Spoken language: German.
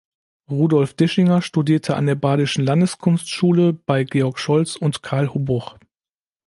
Rudolf Dischinger studierte an der Badischen Landeskunstschule bei Georg Scholz und Karl Hubbuch.